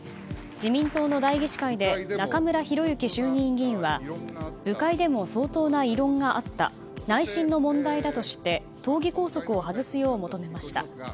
自民党の代議士会で中村裕之衆議院議員は部会でも相当な異論があった内心の問題だとして党議拘束を外すよう求めました。